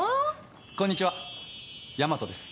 こんにちはヤマトです。